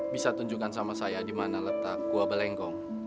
bisa tunjukkan sama saya dimana letak gua belengkong